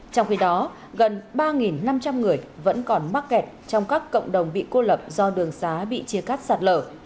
trong khi đó gần ba năm trăm linh người vẫn còn mắc kẹt trong các cộng đồng bị cô lập do đường xá bị chia cắt sạt lở